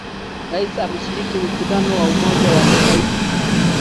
Rais ameshiriki mkutano wa umoja wa Mataifa